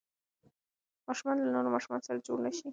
ماشوم له نورو ماشومانو سره جوړ نه شي.